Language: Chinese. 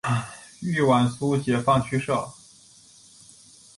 豫皖苏解放区设。